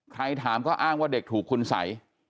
ถามก็อ้างว่าเด็กถูกคุณสัย